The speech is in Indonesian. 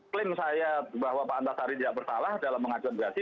klaim saya bahwa pak antasari tidak bersalah dalam mengajukan gerasi